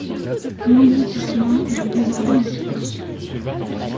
L’engloutissement les résorbait en silence.